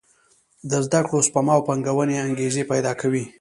د زده کړو، سپما او پانګونې انګېزې پېدا کوي.